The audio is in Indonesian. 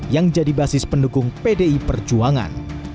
yang jadi basis pendukung pdi perjuangan